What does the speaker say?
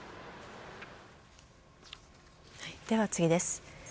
では次です。